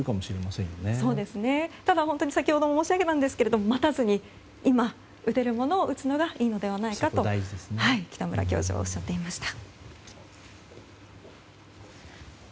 そうですね、ただ本当に先ほども申し上げたんですが待たずに今、打てるものを打つのがいいのではないかと北村教授はおっしゃっていました。